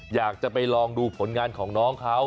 อยากจะไปลองดูผลงานของน้องเขา